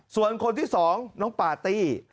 ส่วนคนที่๒น้องปาร์ตี้